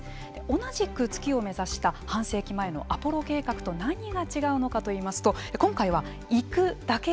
同じく月を目指した半世紀前のアポロ計画と何が違うのかといいますと今回は行くだけではなくてですね